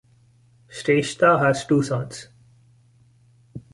Shrestha has two sons.